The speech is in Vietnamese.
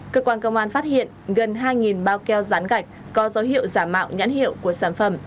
cơ quan công an phát hiện gần hai bao keo rán gạch có dấu hiệu giả mạo nhãn hiệu của sản phẩm